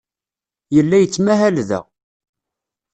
Yella yettmahal da.